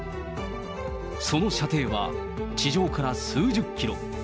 その射程は地上から数十キロ。